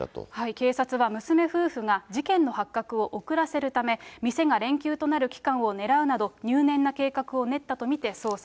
警察は娘夫婦が事件の発覚を遅らせるため、店が連休となる期間を狙うなど、入念な計画を練ったと見て捜査。